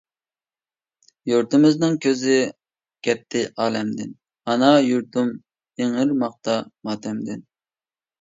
يۇرتىمىزنىڭ كۆزى كەتتى ئالەمدىن، ئانا يۇرتۇم ئىڭرىماقتا ماتەمدىن.